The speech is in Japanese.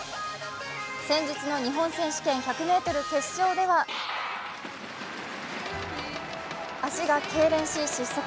先日の日本選手権１００ｍ決勝では、脚がけいれんし、失速。